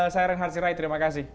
saya renharsi rai terima kasih